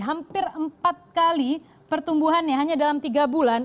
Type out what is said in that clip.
hampir empat kali pertumbuhannya hanya dalam tiga bulan